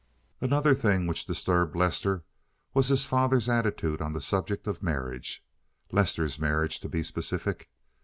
Another thing which disturbed Lester was his father's attitude on the subject of marriage—Lester's marriage, to be specific.